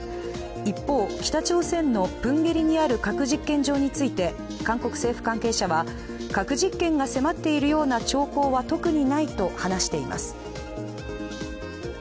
一方、北朝鮮のプンゲリにある核実験場について韓国政府関係者は、核実験が迫っているような兆候は特にないと話しています。